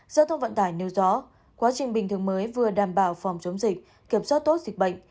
giao thông vận tải nêu rõ quá trình bình thường mới vừa đảm bảo phòng chống dịch kiểm soát tốt dịch bệnh